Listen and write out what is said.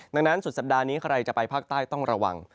ดังนั้นสุดสัปดาห์นี้ใครจะไปภาคใต้ต้องระวัง